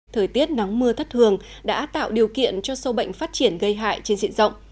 thời tiết nắng mưa thất thường đã tạo điều kiện cho sâu bệnh phát triển gây hại trên diện rộng